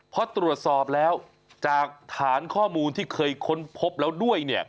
พอตรวจสอบแล้วจากฐานข้อมูลที่เคยค้นพบแล้วด้วยเนี่ย